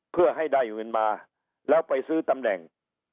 เพื่อให้ได้เงินมาแล้วไปซื้อตำแหน่ง